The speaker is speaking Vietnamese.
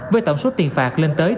với tổng số tiền phạt lên tới